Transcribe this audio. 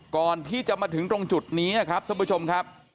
ก่อนที่จะมาถึงตรงจุดนี้ครับท่านผู้ชมครับ